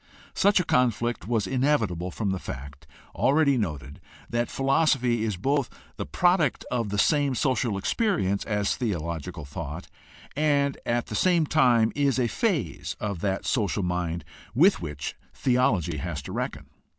Such a conflict was inevi table from the fact, already noted, that philosophy is both the product of the same social experience as theological thought, and at the same time is a phase of that social mind with which theology has to reckon.